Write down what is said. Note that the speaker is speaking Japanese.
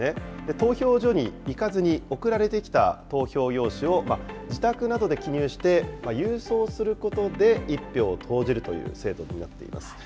投票所に行かずに、送られてきた投票用紙を、自宅などで記入して郵送することで、１票を投じるという制度になっています。